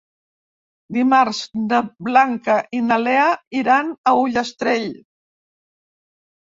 Dimarts na Blanca i na Lea iran a Ullastrell.